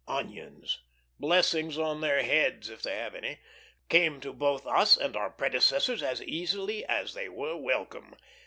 Onions blessings on their heads, if they have any came to both us and our predecessors as easily as they were welcome.